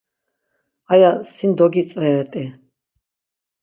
Aya sin dogitzveret̆i.